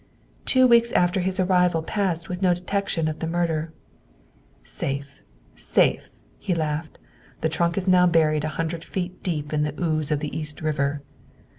Two weeks after his arrival passed with no detection of the murder. "Safe, safe!" he laughed. "The trunk is now buried a hundred feet deep in the ooze of the East River."